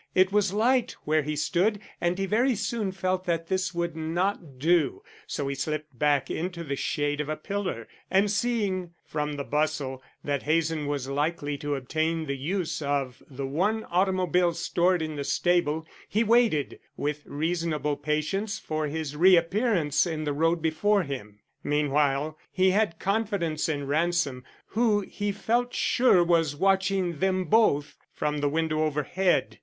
It was light where he stood and he very soon felt that this would not do, so he slipped back into the shade of a pillar, and seeing, from the bustle, that Hazen was likely to obtain the use of the one automobile stored in the stable, he waited with reasonable patience for his reappearance in the road before him. Meanwhile he had confidence in Ransom, who he felt sure was watching them both from the window overhead.